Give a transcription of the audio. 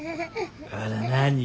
あら何？